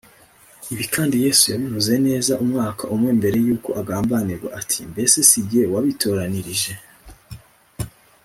ibi kandi yesu yabivuze neza umwaka umwe mbere y’uko agambanirwa ati, “mbese si jye wabitoranirije